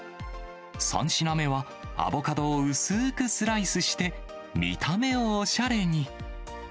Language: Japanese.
３品目は、アボカドを薄ーくスライスして、見た目をおしゃれに。